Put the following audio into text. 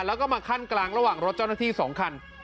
แล้วก็มาขั้นกลางระหว่างรถเจ้าหน้าที่๒คัน